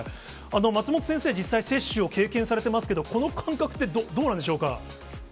松本先生、実際、接種を経験されてますけれども、この感覚って、どうなんでしょうか。